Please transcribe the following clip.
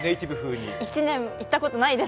１年いたことないです。